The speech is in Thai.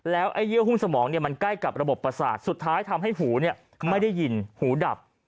ไอ้เยื่อหุ้มสมองมันใกล้กับระบบประสาทสุดท้ายทำให้หูไม่ได้ยินหูดับ